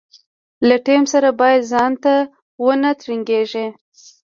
له ټیم سره باید ځانته ونه ترنګېږي.